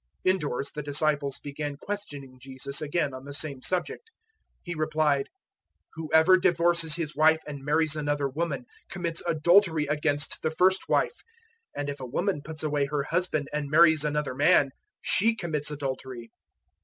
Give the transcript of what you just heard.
010:010 Indoors the disciples began questioning Jesus again on the same subject. 010:011 He replied, "Whoever divorces his wife and marries another woman, commits adultery against the first wife; 010:012 and if a woman puts away her husband and marries another man, she commits adultery."